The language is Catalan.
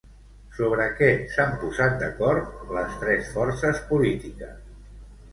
Sobre què s'han posat d'acord les tres forces polítiques?